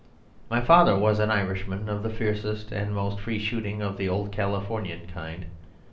My father was an Irishman of the fiercest and most free shooting of the old Californian kind.